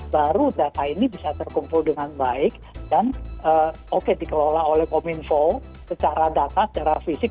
baru data ini bisa terkumpul dengan baik dan oke dikelola oleh kominfo secara data secara fisik